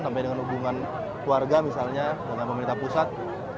sampai dengan hubungan keluarga misalnya dengan pemerintah pusat